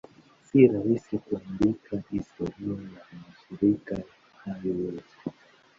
Si rahisi kuandika historia ya mashirika hayo yote.